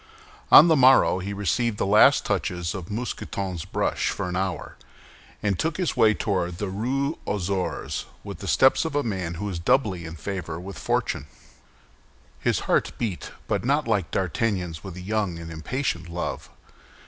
On the morrow he received the last touches of Mousqueton's brush for an hour, and took his way toward the Rue aux Ours with the steps of a man who was doubly in favor with fortune. His heart beat, but not like D'Artagnan's with a young and impatient love.